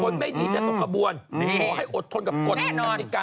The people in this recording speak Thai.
คนไม่ดีจะตกขบวนขอให้อดทนกับคุณคุณอัฐิกา